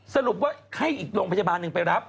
สรุปว่าให้อีกโรงพยาบาลหนึ่งไปรับ